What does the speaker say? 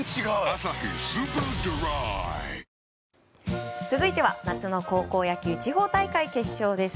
「アサヒスーパードライ」続いては夏の高校野球地方大会決勝です。